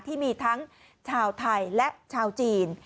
ที่มีทั้งชาวไทยและชาวจีน